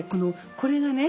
これがね